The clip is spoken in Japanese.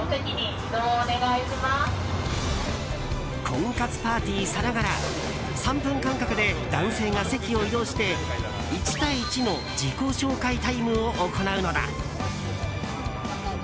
婚活パーティーさながら３分間隔で男性が席を移動して１対１の自己紹介タイムを行うのだ。